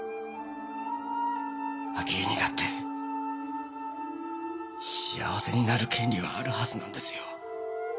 明恵にだって幸せになる権利はあるはずなんですよ。